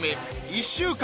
１週間